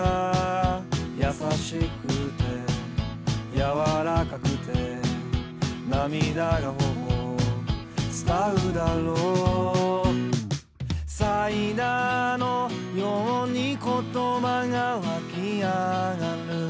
「優しくて柔らかくて」「涙が頬伝うだろう」「サイダーのように言葉が湧き上がる」